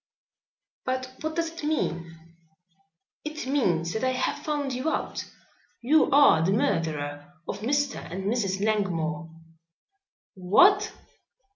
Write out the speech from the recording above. "But what does it mean?" "It means that I have found you out. You are the murderer of Mr. and Mrs. Langmore." "What!"